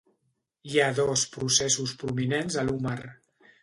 Hi ha dos processos prominents a l'húmer.